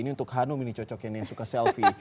ini untuk hanum ini cocoknya nih yang suka selfie